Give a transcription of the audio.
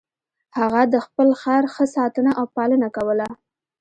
هغه د خپل خر ښه ساتنه او پالنه کوله.